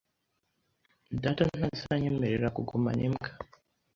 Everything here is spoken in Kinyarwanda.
Data ntazanyemerera kugumana imbwa .